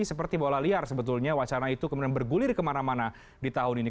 seperti bola liar sebetulnya wacana itu kemudian bergulir kemana mana di tahun ini